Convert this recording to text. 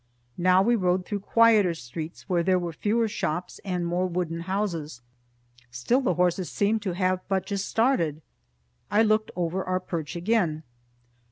Now we rode through quieter streets where there were fewer shops and more wooden houses. Still the horses seemed to have but just started. I looked over our perch again.